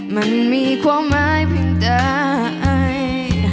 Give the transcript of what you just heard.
มันมีความหมายเพียงได้